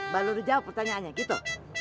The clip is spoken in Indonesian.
balur jawab pertanyaannya gitu